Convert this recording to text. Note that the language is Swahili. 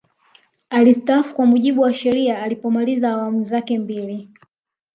alistaafu kwa mujibu wa sheria alipomaliza wamu zake mbili